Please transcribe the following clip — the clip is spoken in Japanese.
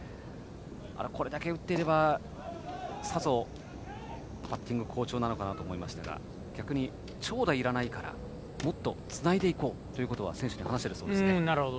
これだけ打っていればさぞバッティング好調なのかなと思いましたが逆に長打はいらないからもっとつないでいこうということを選手に話しているそうですね。